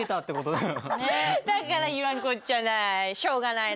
だから言わんこっちゃない。